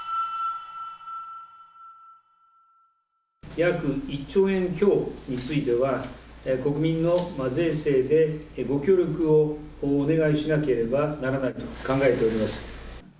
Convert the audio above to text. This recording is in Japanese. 約１兆円強については、国民の税制でご協力をお願いしなければならないと考えております。